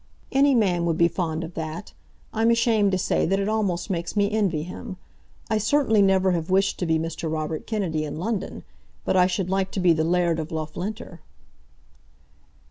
"Any man would be fond of that. I'm ashamed to say that it almost makes me envy him. I certainly never have wished to be Mr. Robert Kennedy in London, but I should like to be the Laird of Loughlinter."